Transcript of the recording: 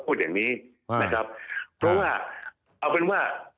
พูดอย่างนี้นะครับเพราะว่าเอาเป็นว่า